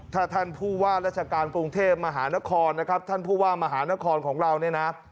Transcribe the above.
ถ้าท่านผู้ว่าราชการกรุงเทพมหานครนะครับท่านผู้ว่ามหานครของเราเนี่ยนะ